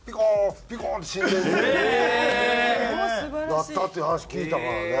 なったっていう話聞いたからね。